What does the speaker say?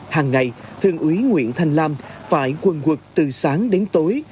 hàng ngày thường ủy nguyễn thanh lam phải quần quật từ sáng đến tối